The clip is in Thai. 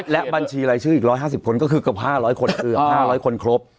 และบัญชีรายชื่ออีก๑๕๐คนก็คือเกือบ๕๐๐คนเกือบ๕๐๐คนครบ